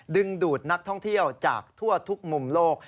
ดึงดูดนักท่องเที่ยวจากทั่วทุกมุมโลก